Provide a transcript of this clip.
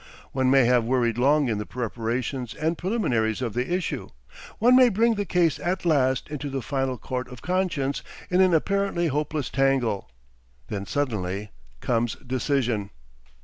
One may have worried long in the preparation and preliminaries of the issue, one may bring the case at last into the final court of conscience in an apparently hopeless tangle. Then suddenly comes decision.